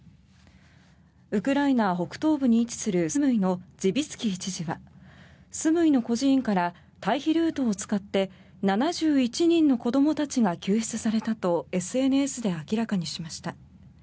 ウクライナ北東部に位置するスムイのジビツキー知事はスムイの孤児院から退避ルートを使って７１人の子どもたちが救出されたとＳＮＳで明らかにしました。